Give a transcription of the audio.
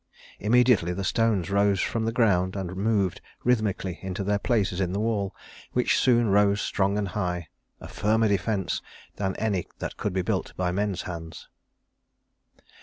Immediately the stones rose from the ground and moved rhythmically into their places in the wall, which soon rose strong and high a firmer defense than any that could be built by men's hands.